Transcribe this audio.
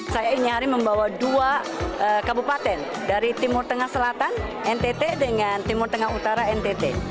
saya ini hari membawa dua kabupaten dari timur tengah selatan ntt dengan timur tengah utara ntt